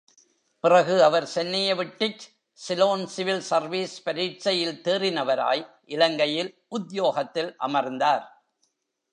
பிறகு அவர் சென்னையை விட்டுச் சிலோன் சிவில் சர்வீஸ் பரீட்சையில் தேறினவராய், இலங்கையில் உத்யோகத்தில் அமர்ந்தார்.